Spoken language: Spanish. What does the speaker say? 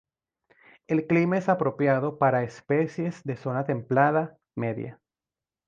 El clima es apropiado para especies de zona templada media.